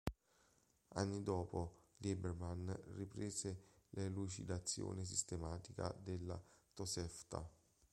Anni dopo, Lieberman riprese l'elucidazione sistematica della Tosefta.